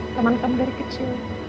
teman kamu dari kecil